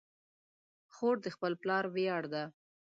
خور د خپل پلار ویاړ ده.